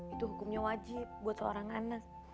itu hukumnya wajib buat seorang anak